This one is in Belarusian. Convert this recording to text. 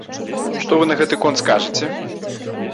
Што вы на гэты конт скажаце?